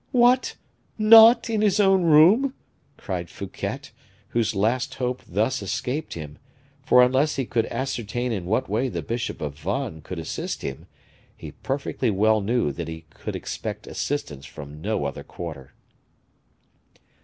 "What! not in his own room?" cried Fouquet, whose last hope thus escaped him; for unless he could ascertain in what way the bishop of Vannes could assist him, he perfectly well knew that he could expect assistance from no other quarter.